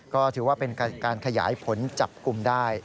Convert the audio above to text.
ก็ถือว่าเป็นการขยายผลจับกลุ่มได้